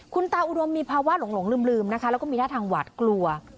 คุณตาอุดมมีภาวะหลงลืมนะคะแล้วก็มีท่าทางหวาดกลัว